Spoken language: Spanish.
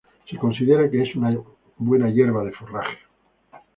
Se considera que es una buena hierba de forraje.